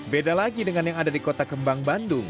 beda lagi dengan yang ada di kota kembang bandung